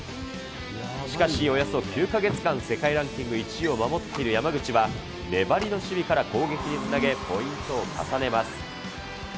しかしおよそ９か月間世界ランキング１位を守っている山口は、粘りの守備から攻撃につなげ、ポイントを重ねます。